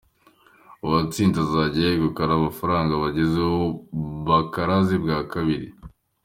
Uwatsinze azajya yegukana amafaranga bagezeho bakaraze bwa kabiri.